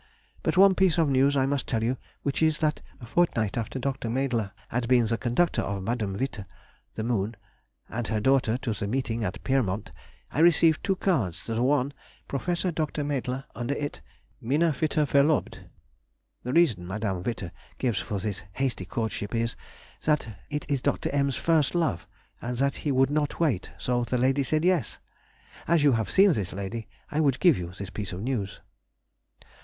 But one piece of news I must tell you, which is, that a fortnight after Dr. Mädler had been the conductor of Mde. Witte (the Moon) and her daughter to the meeting at Pyrmont, I received two cards, the one, "Professor Dr. Mädler," under it, "Minna Witte Verlobt." The reason Madame Witte gives for this hasty courtship is, that it is Dr. M.'s first love, and that he would not wait, so the lady said yes! As you have seen this lady, I would give you this piece of news.